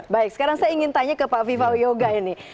baik sekarang saya ingin tanya ke pak viva yoga ini